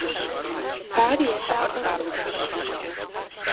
Ар ятӀагъуэм къыхагъэжыкӀ.